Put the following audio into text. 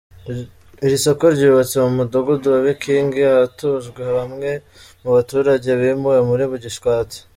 Iri soko ryubatse mu mudugudu wa Bikingi, ahatujwe bamwe mu baturage bimuwe muri Gishwati.